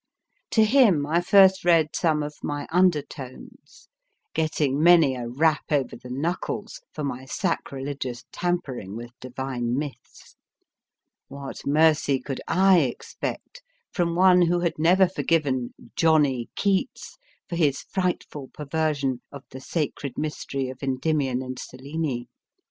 To him I first read some of my Undertones/ getting ROBERT BUCHANAN 289 many a rap over the knuckles for my sacrilegious tampering with Divine Myths. What mercy could / expect from one who had never forgiven Johnny Keats for his frightful per version of the sacred mystery of Endymion and Selene